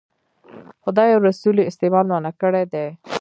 خدای او رسول یې استعمال منع کړی دی.